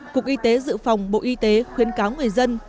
cục y tế dự phòng bộ y tế khuyến cáo người dân